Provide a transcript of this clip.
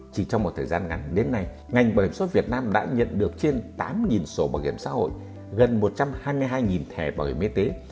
chỉ trong một thời gian ngắn đến nay ngành bảo hiểm xã việt nam đã nhận được trên tám sổ bảo hiểm xã hội gần một trăm hai mươi hai thẻ bảo hiểm y tế